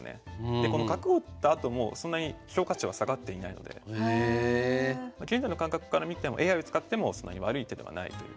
でこの角を打ったあともそんなに現在の感覚から見てもＡＩを使ってもそんなに悪い手ではないという。